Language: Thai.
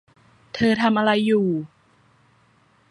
เธอทำอะไรอยู่